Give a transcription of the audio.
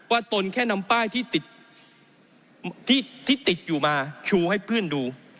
ตนแค่นำป้ายที่ติดที่ติดอยู่มาชูให้เพื่อนดู